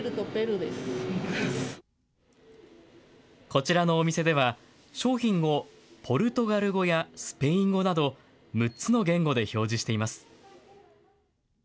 こちらのお店では、商品をポルトガル語やスペイン語など、６つの言語で表示しています。